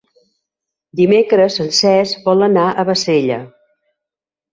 Dimecres en Cesc vol anar a Bassella.